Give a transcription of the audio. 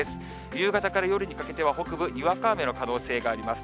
夕方から夜にかけては、北部、にわか雨の可能性があります。